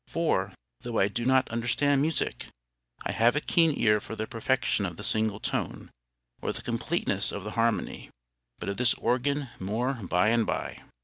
For, though I do not understand music, I have a keen ear for the perfection of the single tone, or the completeness of the harmony. But of this organ more by and by.